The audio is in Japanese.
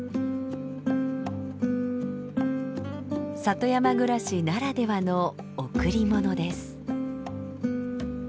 里山暮らしならではの贈り物です。